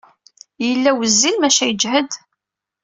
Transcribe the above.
Yella wezzil, maca yejhed.